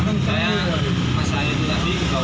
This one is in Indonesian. saya pasal itu tadi juga wang